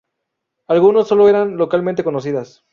Algunas sólo eran localmente conocidas.